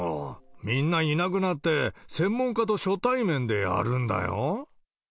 みんないなくなって専門家と初対面でやるんだよ。